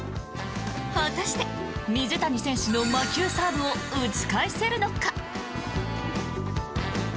果たして水谷選手の魔球サーブを打ち返せるのか？